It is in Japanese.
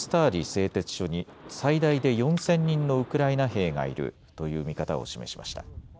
製鉄所に最大で４０００人のウクライナ兵がいるという見方を示しました。